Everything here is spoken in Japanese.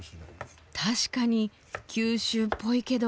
確かに九州っぽいけど。